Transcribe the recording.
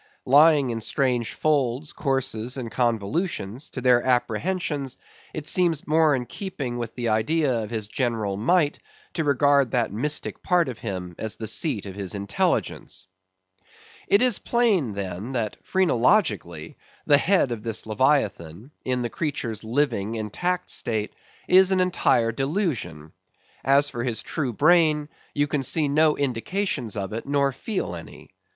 Lying in strange folds, courses, and convolutions, to their apprehensions, it seems more in keeping with the idea of his general might to regard that mystic part of him as the seat of his intelligence. It is plain, then, that phrenologically the head of this Leviathan, in the creature's living intact state, is an entire delusion. As for his true brain, you can then see no indications of it, nor feel any.